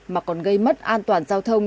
mà còn gây mất an toàn giao thông